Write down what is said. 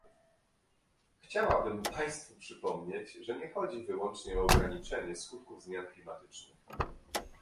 Chciałabym państwu przypomnieć, że nie chodzi wyłącznie o ograniczenie skutków zmian klimatycznych